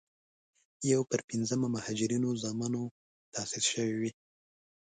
یو پر پينځمه مهاجرینو زامنو تاسیس شوې.